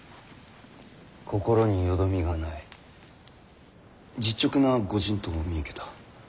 心によどみがない実直な御仁と見受けた。